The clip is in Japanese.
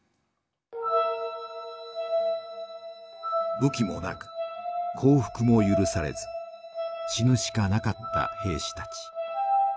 武器もなく降伏も許されず死ぬしかなかった兵士たち。